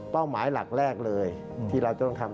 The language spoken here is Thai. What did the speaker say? หมายหลักแรกเลยที่เราจะต้องทำ